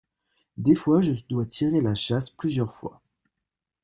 Des fois je dois tirer la chasse plusieurs fois.